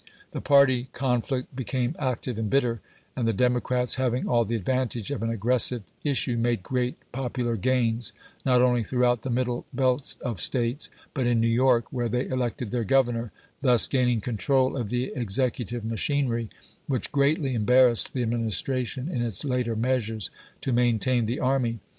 The party conflict became active and bitter, and the Democrats, having all the advantage of an aggressive issue, made great popular gains, not only throughout the middle belt of States, but in New York, where they elected their G overnor, thus gaining control of the executive machinery, which greatly embarrassed the Administration in its later measures to maintain the army.